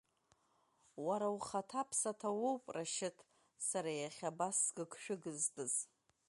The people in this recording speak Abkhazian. Уара ухаҭа-ԥсаҭа уоуп, Рашьыҭ, сара иахьа абас сгыгшәыгызтәыз.